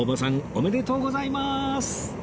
おめでとうございます